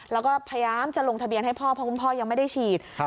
แล้วก็พยายามจะลงทะเบียนให้พ่อเพราะคุณพ่อยังไม่ได้ฉีด